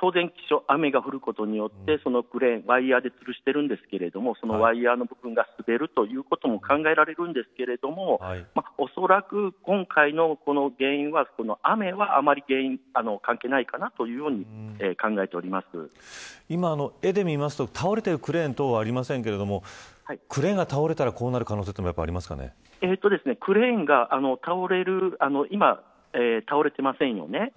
当然雨が降ることによってクレーンは、ワイヤーで吊るしているんですけれどもワイヤーの部分が滑るということも考えられるんですけれども恐らく、今回の原因は、雨はあんまり関係ないかなというように今見ますと、倒れているクレーンなどはありませんがクレーンが倒れたらクレーンが今、倒れていませんよね。